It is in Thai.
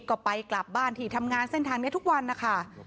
ก็ไปกลับบ้านที่ทำงานเส้นทางนี้ทุกวันนะคะ